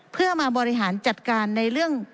เพื่อมาบริหารจัดการในเรื่อง